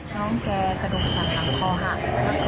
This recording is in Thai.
น้องแกกระดูกสาดหลังคอหักแล้วก็